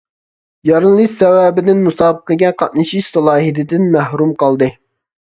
يارىلىنىش سەۋەبىدىن مۇسابىقىگە قاتنىشىش سالاھىيىتىدىن مەھرۇم قالدى.